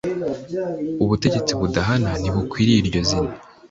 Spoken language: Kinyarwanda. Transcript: Ubutegetsi budahana ntibukwiye iryo zina.